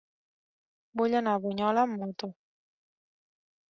Vull anar a Bunyola amb moto.